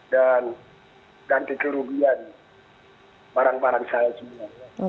dan ganti kerugian barang barang saya juga